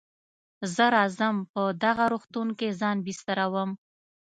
زه راځم په دغه روغتون کې ځان بستروم.